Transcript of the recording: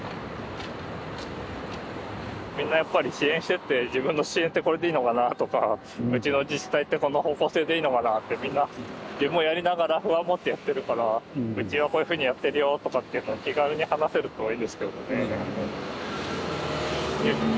みんなやっぱり支援してて自分の支援ってこれでいいのかなとかうちの自治体ってこの方向性でいいのかなってみんな自分もやりながら不安持ってやってるからうちはこういうふうにやってるよとかっていうのを気軽に話せるといいですけどね。